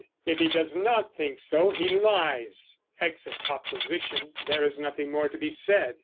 If he does not think so, he lies." Exit opposition. There is nothing more to be said.